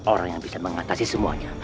orang yang bisa mengatasi semuanya